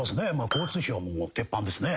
交通費はもう鉄板ですね。